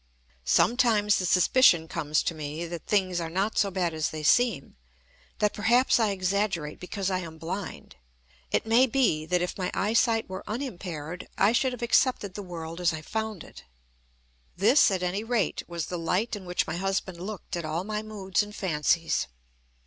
Sometimes the suspicion comes to me that things not so bad as they seem: that perhaps I exaggerate because I am blind. It may be that, if my eyesight were unimpaired, I should have accepted world as I found it. This, at any rate, was the light in which my husband looked at all my moods and fancies.